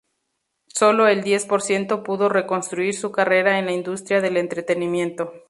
Solo el diez por ciento pudo reconstruir su carrera en la industria del entretenimiento.